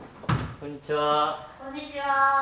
こんにちは。